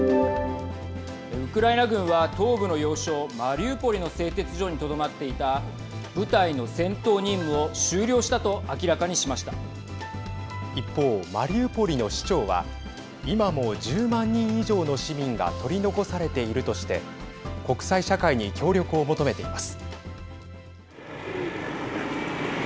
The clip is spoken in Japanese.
ウクライナ軍は東部の要衝マリウポリの製鉄所にとどまっていた部隊の戦闘任務を終了した一方、マリウポリの市長は今も１０万人以上の市民が取り残されているとして国際社会に協力を求めています。